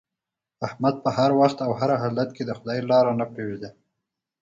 احمد په هر وخت او هر حالت کې د خدای لاره نه پرېږدي.